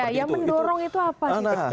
nah yang mendorong itu apa